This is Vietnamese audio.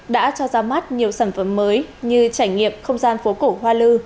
đã cho ra mắt nhiều sản phẩm mới như trải nghiệm không gian phố cổ hoa lư